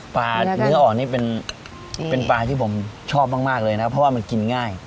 เนื้ออ่อนนี่เป็นปลาที่ผมชอบมากเลยนะเพราะว่ามันกินง่าย